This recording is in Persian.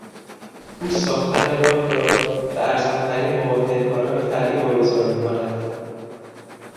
او ساختن راه را به ارزانترین مقاطعهکاران فرعی واگذار میکند.